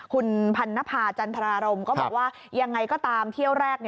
คุณพันนภาจันทรารมก็บอกว่ายังไงก็ตามเที่ยวแรก